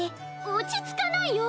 落ち着かないよ！